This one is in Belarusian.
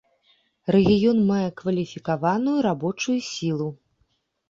Рэгіён мае кваліфікаваную рабочую сілу.